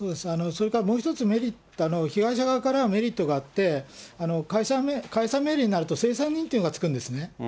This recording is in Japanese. それからもう一つ、被害者側からメリットがあって、解散命令になると、清算人という方がつくんですね。